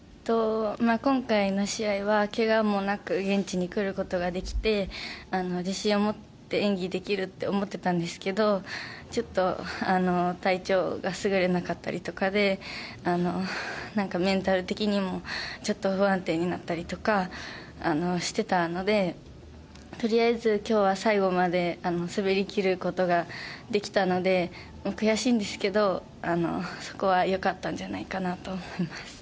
今回の試合は、けがもなく現地に来ることができて自信を持って演技ができるって思ってたんですけどちょっと体調が優れなかったりとかでメンタル的にもちょっと不安定になったりしていたのでとりあえず今日は最後まで滑り切ることができたので悔しいんですけどそこは良かったんじゃないかなと思います。